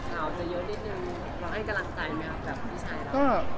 สาวเธอเยอะนิดนึงรักแอ้งกำลังใจไหมครับ